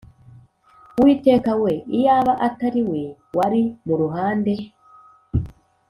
Uwiteka we iyaba Atari we wari muruhande